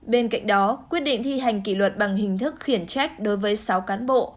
bên cạnh đó quyết định thi hành kỷ luật bằng hình thức khiển trách đối với sáu cán bộ